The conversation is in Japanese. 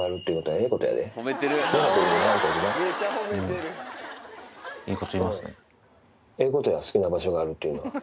ええことや、好きな場所があるっていうのは。